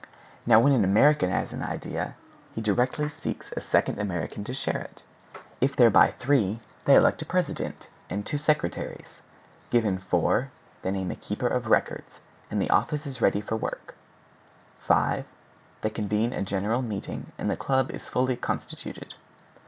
Now when an American has an idea, he directly seeks a second American to share it. If there be three, they elect a president and two secretaries. Given four, they name a keeper of records, and the office is ready for work; five, they convene a general meeting, and the club is fully constituted.